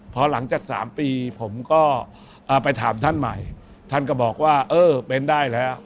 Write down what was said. พอหลังจาก๓ปีผมก็ไปถามท่านใหม่ท่านก็บอกว่าเออเป็นได้แล้ว